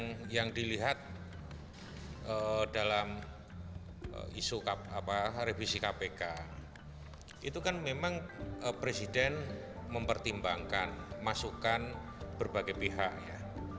nah yang dilihat dalam isu revisi kpk itu kan memang presiden mempertimbangkan masukan berbagai pihak ya